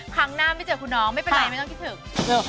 ครั้งหน้าไม่เจอคุณน้องไม่เป็นไรไม่ต้องคิดถึง